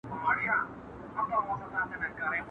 د سپي د نيستيه ئې چغال تناو کړی دئ.